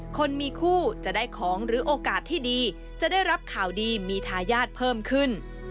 คนมีคู่จะได้ของหรือโอกาสที่ดีจะได้รับข่าวดีมีทายาทเพิ่มขึ้น